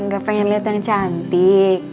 gak pengen lihat yang cantik